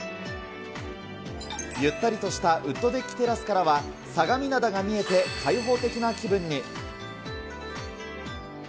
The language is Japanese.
ゆったりとしたウッドデッキテラスからは、相模灘が見えて、開放的な気分に。